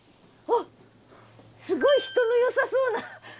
わっすごい人のよさそうな。